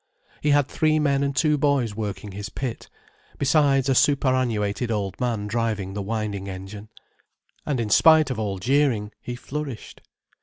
He had three men and two boys working his pit, besides a superannuated old man driving the winding engine. And in spite of all jeering, he flourished.